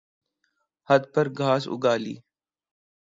ھت پر گھاس اگا لی